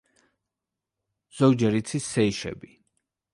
ზოგჯერ იცის სეიშები.